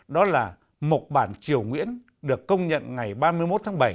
đó là mộc bản triều nguyễn được công nhận ngày ba mươi một tháng bảy